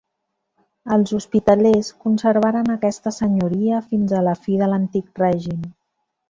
Els hospitalers conservaren aquesta senyoria fins a la fi de l'Antic Règim.